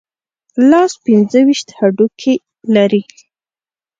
لاس پنځه ویشت هډوکي لري.